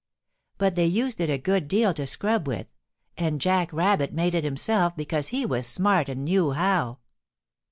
But they used it a good deal to scrub with, and Jack Rabbit made it himself because he was smart and knew how.